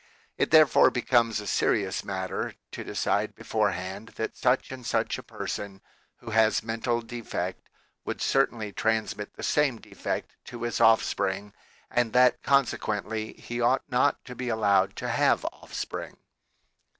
It therefore becomes a serious matter to decide beforehand that such and such a person who has mental defect would certainly transmit the same defect to his offspring and that consequently he ought not to be allowed to have off spring.